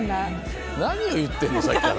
何を言ってるのさっきから。